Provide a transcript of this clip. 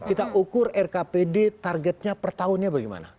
kita ukur rkpd targetnya per tahunnya bagaimana